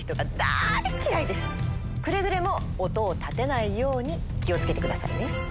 くれぐれも音を立てないように気を付けてくださいね。